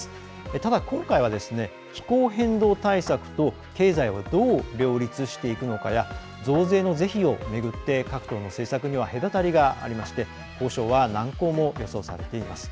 ただ今回は気候変動対策と経済をどう両立していくのかや増税の是非を巡って各党の政策には隔たりがあり交渉は難航も予想されています。